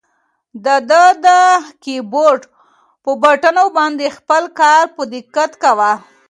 ده د کیبورډ په بټنو باندې خپل کار په دقت کاوه.